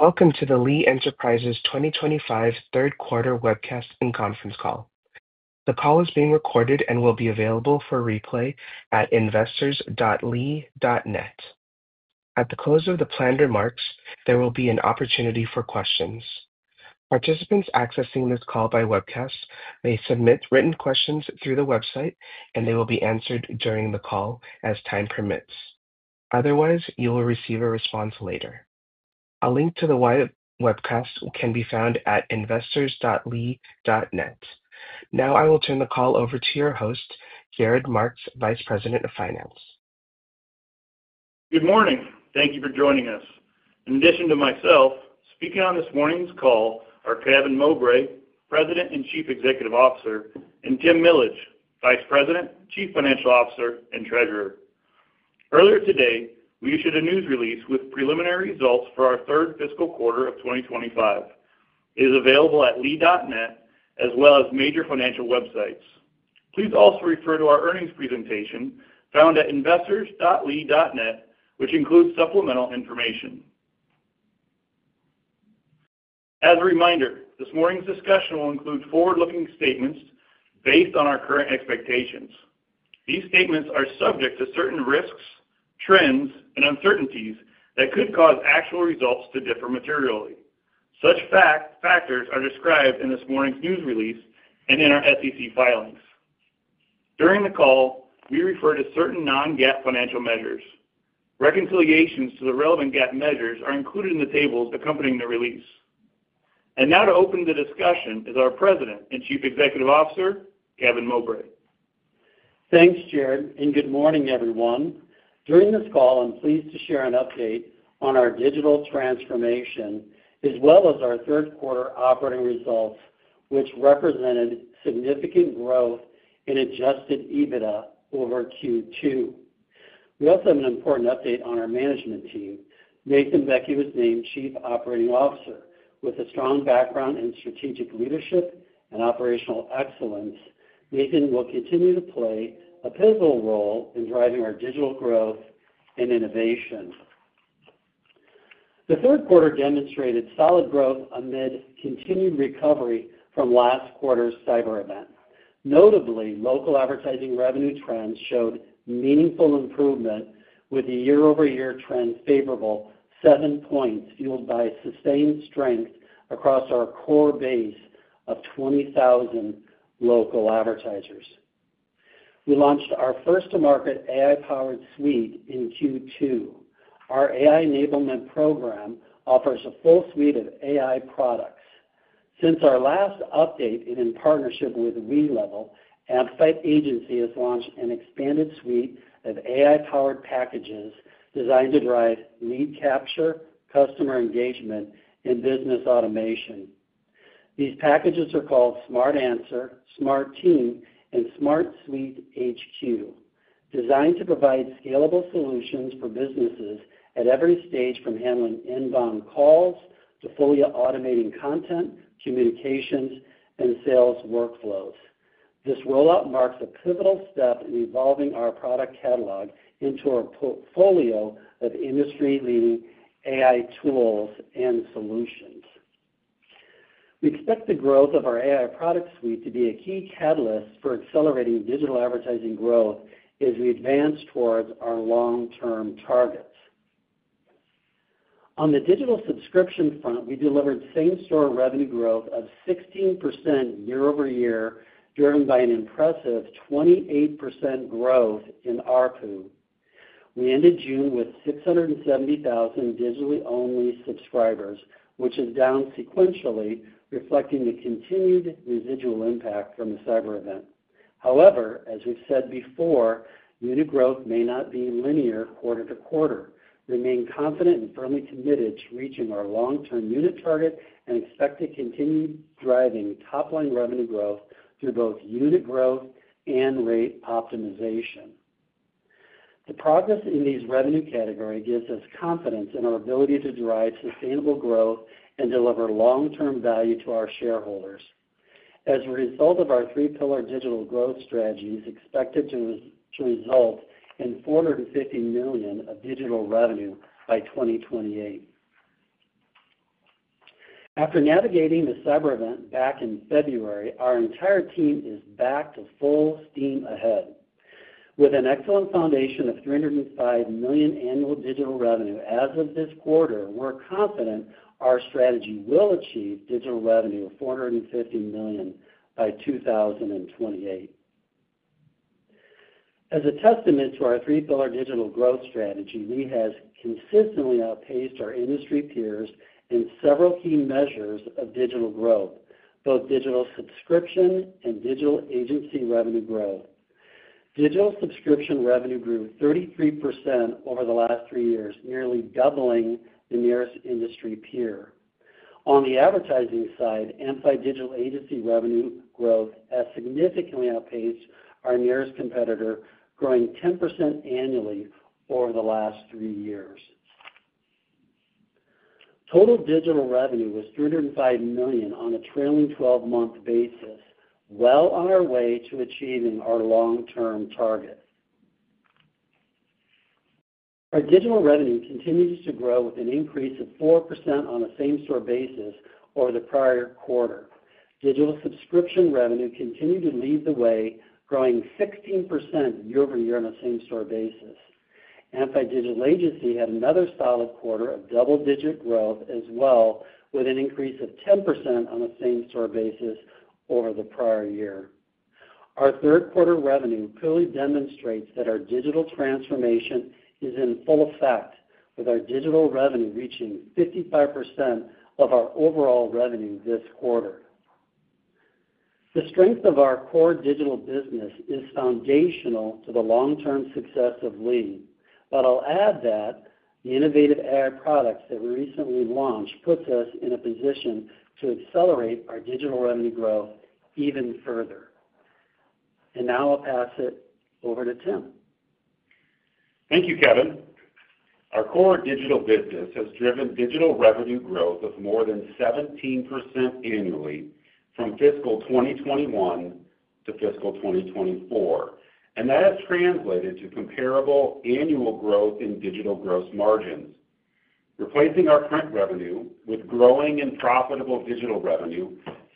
Welcome to the Lee Enterprises 2025 Third Quarter Webcast and Conference Call. The call is being recorded and will be available for replay at investors.lee.net. At the close of the planned remarks, there will be an opportunity for questions. Participants accessing this call by webcast may submit written questions through the website, and they will be answered during the call as time permits. Otherwise, you will receive a response later. A link to the webcast can be found at investors.lee.net. Now, I will turn the call over to your host, Jared Marks, Vice President of Finance. Good morning. Thank you for joining us. In addition to myself, speaking on this morning's call are Kevin Mowbray, President and Chief Executive Officer, and Tim Millage, Vice President, Chief Financial Officer, and Treasurer. Earlier today, we issued a news release with preliminary results for our third fiscal quarter of 2025. It is available at lee.net, as well as major financial websites. Please also refer to our earnings presentation found at investors.lee.net, which includes supplemental information. As a reminder, this morning's discussion will include forward-looking statements based on our current expectations. These statements are subject to certain risks, trends, and uncertainties that could cause actual results to differ materially. Such factors are described in this morning's news release and in our SEC filings. During the call, we refer to certain non-GAAP financial measures. Reconciliations to the relevant GAAP measures are included in the tables accompanying the release. Now to open the discussion is our President and Chief Executive Officer, Kevin Mowbray. Thanks, Jared, and good morning, everyone. During this call, I'm pleased to share an update on our digital transformation, as well as our third quarter operating results, which represented significant growth in adjusted EBITDA over Q2. We also have an important update on our management team. Nathan Bekke was named Chief Operating Officer. With a strong background in strategic leadership and operational excellence, Nathan will continue to play a pivotal role in driving our digital growth and innovations. The third quarter demonstrated solid growth amid continued recovery from last quarter's cyber incident. Notably, local advertising revenue trends showed meaningful improvement, with the year-over-year trends favorable, seven points fueled by sustained strength across our core base of 20,000 local advertisers. We launched our first-to-market AI-powered suite in Q2. Our AI Enablement Program offers a full suite of AI products. Since our last update and in partnership with WeLevel, Amplified Digital Agency has launched an expanded suite of AI-powered packages designed to drive lead capture, customer engagement, and business automation. These packages are called Smart Answer, Smart Team, and Smart Suite HQ, designed to provide scalable solutions for businesses at every stage, from handling inbound calls to fully automating content, communications, and sales workflows. This rollout marks a pivotal step in evolving our product catalog into a portfolio of industry-leading AI tools and solutions. We expect the growth of our AI product suite to be a key catalyst for accelerating digital advertising growth as we advance towards our long-term targets. On the digital subscription front, we delivered same-store revenue growth of 16% year-over-year, driven by an impressive 28% growth in ARPU. We ended June with 670,000 digitally-only subscribers, which is down sequentially, reflecting the continued residual impact from the cyber incident. However, as we've said before, unit growth may not be linear quarter to quarter. We remain confident and firmly committed to reaching our long-term unit target and expect to continue driving top-line revenue growth through both unit growth and rate optimization. The progress in these revenue categories gives us confidence in our ability to drive sustainable growth and deliver long-term value to our shareholders. As a result of our three-pillar digital growth strategy, expected to result in $450 million of digital revenue by 2028. After navigating the cyber incident back in February, our entire team is back to full steam ahead. With an excellent foundation of $305 million annual digital revenue as of this quarter, we're confident our strategy will achieve digital revenue of $450 million by 2028. As a testament to our three-pillar digital growth strategy, we have consistently outpaced our industry peers in several key measures of digital growth, both digital subscription and digital agency revenue growth. Digital subscription revenue grew 33% over the last three years, nearly doubling the nearest industry peer. On the advertising side, Amplified Digital agency revenue growth has significantly outpaced our nearest competitor, growing 10% annually over the last three years. Total digital revenue was $305 million on a trailing 12-month basis, well on our way to achieving our long-term target. Our digital revenue continues to grow with an increase of 4% on a same-store basis over the prior quarter. Digital subscription revenue continued to lead the way, growing 16% year-over-year on a same-store basis. Amplified Digital Agency had another solid quarter of double-digit growth as well, with an increase of 10% on a same-store basis over the prior year. Our third quarter revenue clearly demonstrates that our digital transformation is in full effect, with our digital revenue reaching 55% of our overall revenue this quarter. The strength of our core digital business is foundational to the long-term success of Lee, but I'll add that the innovative AI products that we recently launched put us in a position to accelerate our digital revenue growth even further. Now I'll pass it over to Tim. Thank you, Kevin. Our core digital business has driven digital revenue growth of more than 17% annually from fiscal 2021 to fiscal 2024, and that has translated to comparable annual growth in digital gross margins. Replacing our print revenue with growing and profitable digital revenue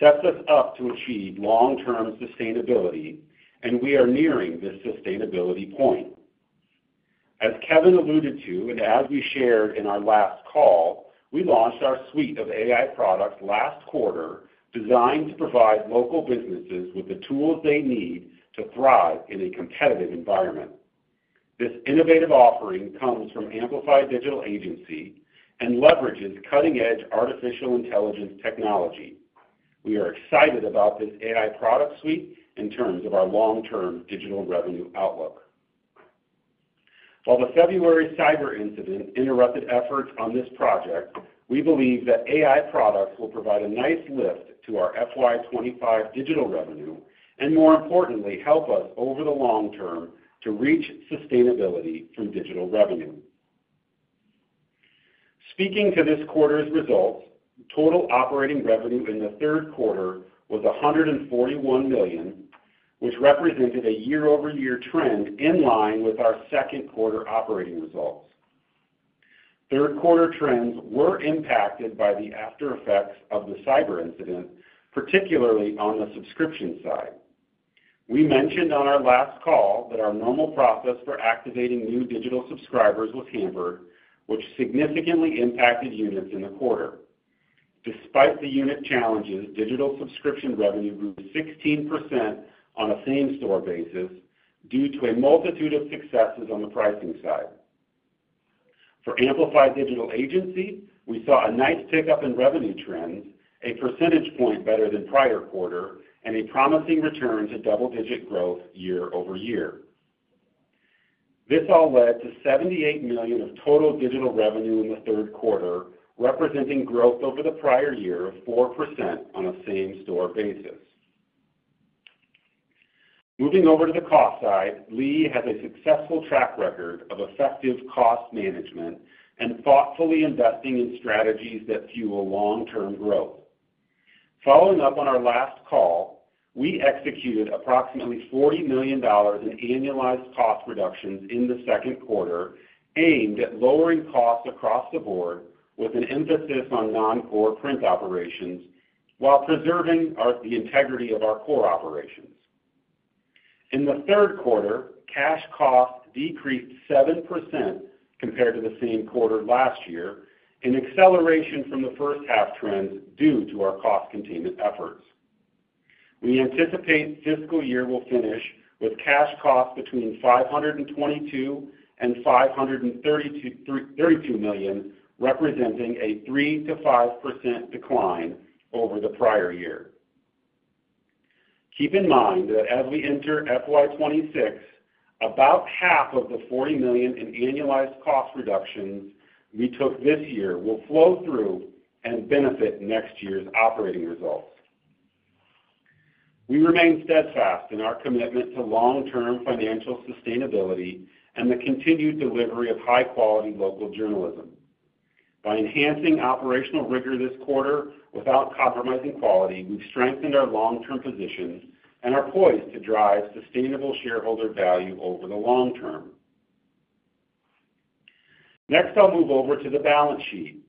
sets us up to achieve long-term sustainability, and we are nearing this sustainability point. As Kevin alluded to, and as we shared in our last call, we launched our suite of AI products last quarter designed to provide local businesses with the tools they need to thrive in a competitive environment. This innovative offering comes from Amplified Digital Agency and leverages cutting-edge artificial intelligence technology. We are excited about this AI product suite in terms of our long-term digital revenue outlook. While the February cyber incident interrupted efforts on this project, we believe that AI products will provide a nice lift to our FY 2025 digital revenue and, more importantly, help us over the long term to reach sustainability from digital revenue. Speaking to this quarter's results, total operating revenue in the third quarter was $141 million, which represented a year-over-year trend in line with our second quarter operating results. Third quarter trends were impacted by the after-effects of the cyber incident, particularly on the subscription side. We mentioned on our last call that our normal process for activating new digital subscribers was hampered, which significantly impacted units in the quarter. Despite the unit challenges, digital subscription revenue grew 16% on a same-store basis due to a multitude of successes on the pricing side. For Amplified Digital Agency, we saw a nice pickup in revenue trends, a percentage point better than prior quarter, and a promising return to double-digit growth year-over-year. This all led to $78 million of total digital revenue in the third quarter, representing growth over the prior year of 4% on a same-store basis. Moving over to the cost side, Lee has a successful track record of effective cost management and thoughtfully investing in strategies that fuel long-term growth. Following up on our last call, we executed approximately $40 million in annualized cost reductions in the second quarter, aimed at lowering costs across the board with an emphasis on non-core print operations while preserving the integrity of our core operations. In the third quarter, cash costs decreased 7% compared to the same quarter last year, an acceleration from the first half trends due to our cost containment efforts. We anticipate the fiscal year will finish with cash costs between $522 million and $532 million, representing a 3%-5% decline over the prior year. Keep in mind that as we enter FY26, about half of the $40 million in annualized cost reductions we took this year will flow through and benefit next year's operating result. We remain steadfast in our commitment to long-term financial sustainability and the continued delivery of high-quality local journalism. By enhancing operational rigor this quarter without compromising quality, we've strengthened our long-term position and are poised to drive sustainable shareholder value over the long term. Next, I'll move over to the balance sheet.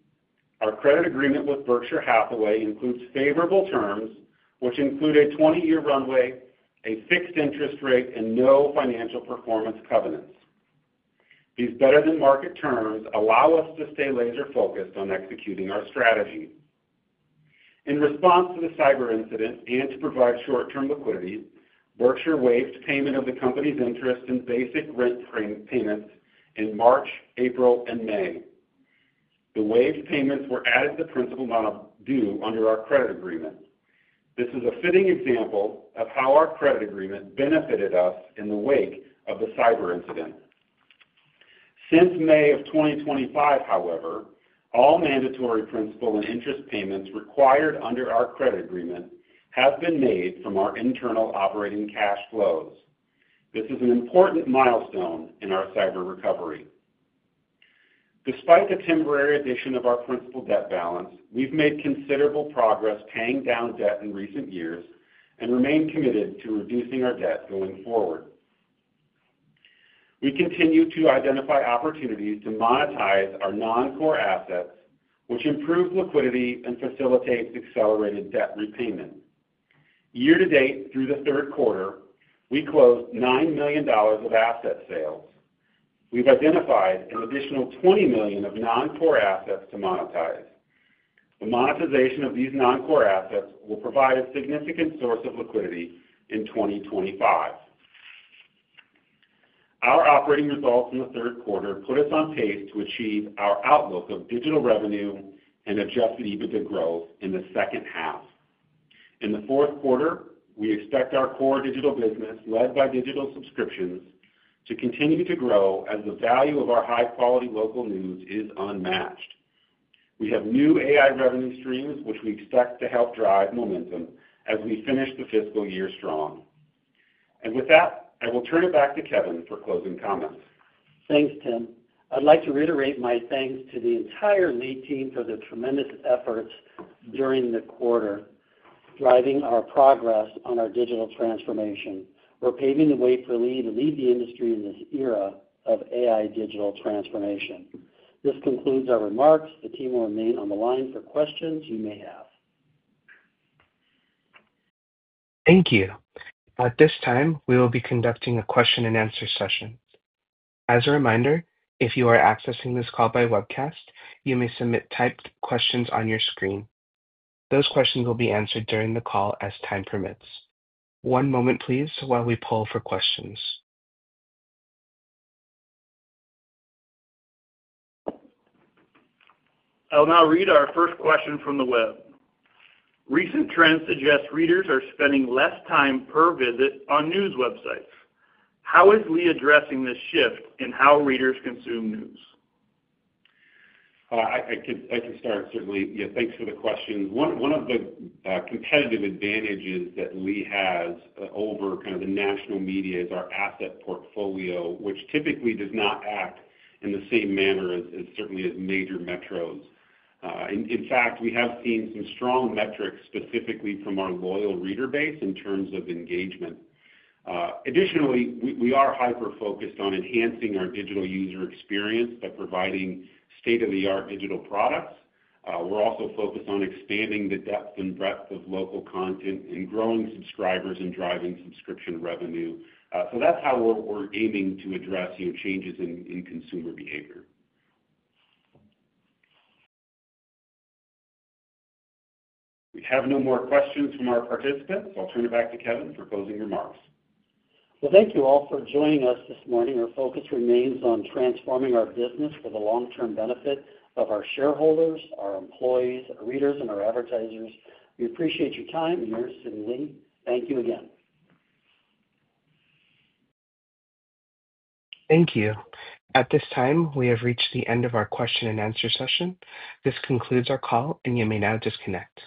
Our credit agreement with Berkshire Hathaway includes favorable terms, which include a 20-year runway, a fixed interest rate, and no financial performance covenants. These better-than-market terms allow us to stay laser-focused on executing our strategy. In response to the cyber incident and to provide short-term liquidity, Berkshire Hathaway waived payment of the company's interest and basic rate payments in March, April, and May. The waived payments were added to the principal amount due under our credit agreement. This is a fitting example of how our credit agreement benefited us in the wake of the cyber incident. Since May of 2025, however, all mandatory principal and interest payments required under our credit agreement have been made from our internal operating cash flows. This is an important milestone in our cyber recovery. Despite the temporary addition to our principal debt balance, we've made considerable progress paying down debt in recent years and remain committed to reducing our debt going forward. We continue to identify opportunities to monetize our non-core assets, which improve liquidity and facilitate accelerated debt repayment. Year-to-date, through the third quarter, we closed $9 million of asset sales. We've identified an additional $20 million of non-core assets to monetize. The monetization of these non-core assets will provide a significant source of liquidity in 2025. Our operating results in the third quarter put us on pace to achieve our outlook of digital revenue and adjusted EBITDA growth in the second half. In the fourth quarter, we expect our core digital business, led by digital subscriptions, to continue to grow as the value of our high-quality local news is unmatched. We have new AI revenue streams, which we expect to help drive momentum as we finish the fiscal year strong. With that, I will turn it back to Kevin for closing comments. Thanks, Tim. I'd like to reiterate my thanks to the entire Lee team for the tremendous efforts during the quarter, driving our progress on our digital transformation. We're paving the way for Lee to lead the industry in this era of AI digital transformation. This concludes our remarks. The team will remain on the line for questions you may have. Thank you. At this time, we will be conducting a question and answer session. As a reminder, if you are accessing this call by webcast, you may submit typed questions on your screen. Those questions will be answered during the call as time permits. One moment, please, while we poll for questions. I'll now read our first question from the web. Recent trends suggest readers are spending less time per visit on news websites. How is Lee Enterprises addressing this shift in how readers consume news? I can start, certainly. Yeah, thanks for the question. One of the competitive advantages that Lee has over kind of the national media is our asset portfolio, which typically does not act in the same manner as certainly as major metros. In fact, we have seen some strong metrics specifically from our loyal reader base in terms of engagement. Additionally, we are hyper-focused on enhancing our digital user experience by providing state-of-the-art digital products. We're also focused on expanding the depth and breadth of local content and growing subscribers and driving subscription revenue. That's how we're aiming to address changes in consumer behavior. We have no more questions from our participants. I'll turn it back to Kevin for closing remarks. Thank you all for joining us this morning. Our focus remains on transforming our business for the long-term benefit of our shareholders, our employees, our readers, and our advertisers. We appreciate your time and your listening. Thank you again. Thank you. At this time, we have reached the end of our question and answer session. This concludes our call, and you may now disconnect.